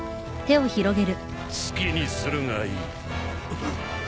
好きにするがいい。